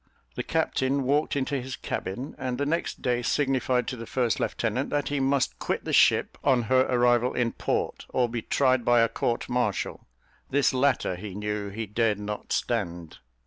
The captain walked into his cabin, and the next day signified to the first lieutenant, that he must quit the ship on her arrival in port, or be tried by a court martial: this latter he knew he dared not stand.